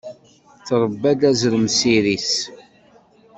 Trebba-d azrem s iri-s.